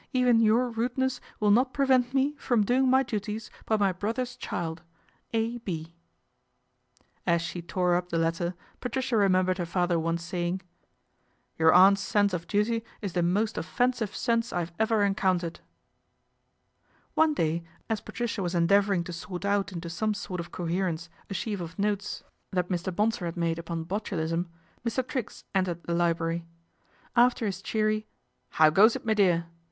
Even your rudeness will not prevent me from doing my duty by my brother's child. A. B." As she tore up the letter, Patricia remembered her father once saying, " Your aunt's sense of duty is the most offensive sense I have ever encountered." One day as Patricia was endeavouring to sort out into some sort of coherence a sheaf of notes 236 PATRICIA BRENT, SPINSTER that Mr. Bonsor had made upon Botulism, Mr. Triggs entered the library. After his cheery " How goes it, me dear